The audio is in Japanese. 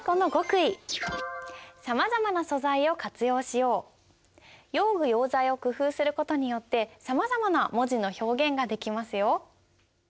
ここで用具用材を工夫する事によってさまざまな文字の表現ができますよ。